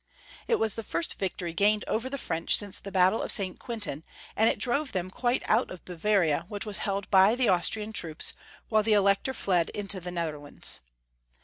It was the first victory gained over the French since the battle of St. Quentin, and it drove them quite out of Bavaria, which was held by the Aus trian troops, while the Elector fled into the Nether lands.